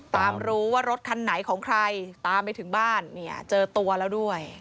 รู้ว่ารถคันไหนของใครตามไปถึงบ้านเนี่ยเจอตัวแล้วด้วย